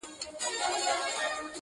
یو ناڅاپه یې ور پام سو کښتی وان ته٫